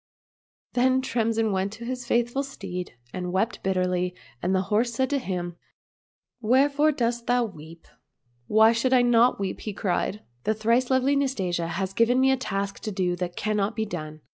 Then Tremsin went to his faithful steed and wept bitterly, and the horse said to him, " Wherefore dost thou weep }"—" Why should I not weep .?" cried he ; lOI COSSACK FAIRY TALES " the thrice lovely Nastasia has given me a task to do that cannot be done.